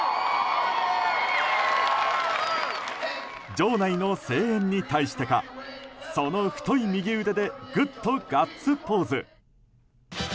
場内の声援に対してかその太い右腕でグッとガッツポーズ。